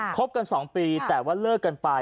คบกัน๒ปีแต่ว่าเลิกกันไป